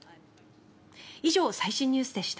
以上、最新ニュースでした。